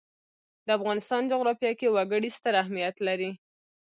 د افغانستان جغرافیه کې وګړي ستر اهمیت لري.